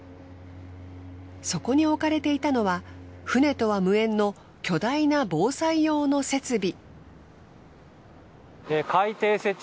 そこに置かれていたのは船とは無縁の巨大な防災用の設備。